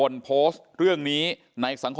โหลายกาก